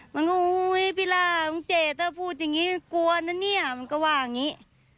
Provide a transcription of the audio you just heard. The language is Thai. มันก็อุ๊ยพี่ล่ามึงเจถ้าพูดอย่างนี้กลัวนะเนี่ยมันก็ว่าอย่างนี้